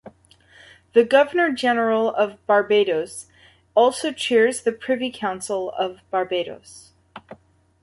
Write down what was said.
The Governor-General of Barbados also chairs the Privy Council of Barbados.